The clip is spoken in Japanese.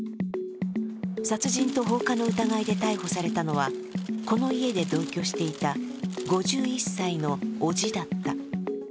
殺人と放火の疑いで逮捕されたのはこの家で同居していた５１歳の伯父だった。